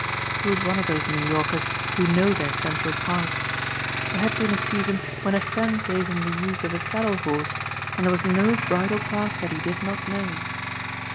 He was one of those New Yorkers who know their Central Park. There had been a season when a friend gave him the use of a saddle horse and there was no bridle path that he did not know.